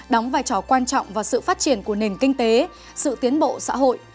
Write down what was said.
đóng vai trò quan trọng vào sự phát triển của nền kinh tế sự tiến bộ xã hội